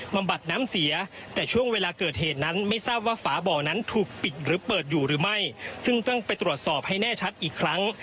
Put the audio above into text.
บัดน้ำเสียแต่ช่วงเวลาเกิดเหตุนั้นไม่ทราบว่าฝาบ่อนั้นถูกปิดหรือเปิดอยู่หรือไม่ซึ่งต้องไปตรวจสอบให้แน่ชัดอีกครั้ง